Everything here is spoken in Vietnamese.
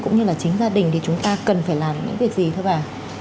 cũng như là chính gia đình thì chúng ta cần phải làm những việc gì thưa bà